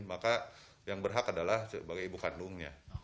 maka yang berhak adalah sebagai ibu kandungnya